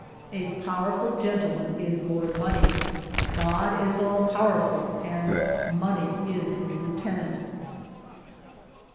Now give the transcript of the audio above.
" A powerful gentleman is Lord Money. God is all pow erful and Money is his lieutenant."